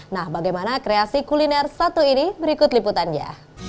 nah bagaimana kreasi kuliner satu ini berikut liputan ya